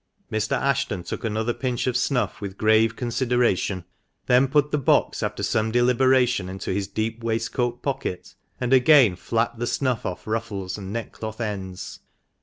Mr. Ashton took another pinch of snuff, with grave consideration, then put the box, after some deliberation, into his deep waistcoat pocket, and again flapped the snuff off ruffles and neck cloth ends.